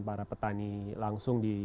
para petani langsung di